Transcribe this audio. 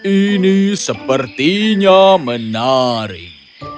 ini sepertinya menarik